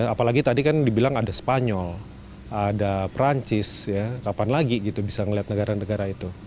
apalagi tadi kan dibilang ada spanyol ada perancis ya kapan lagi gitu bisa ngeliat negara negara itu